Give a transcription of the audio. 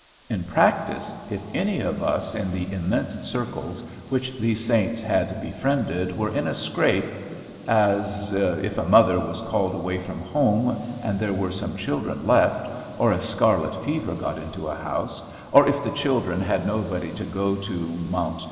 In practice, if any of us in the immense circles which these saints had befriended were in a scrape, as, if a mother was called away from home, and there were some children left, or if scarlet fever got into a house, or if the children had nobody to go to Mt.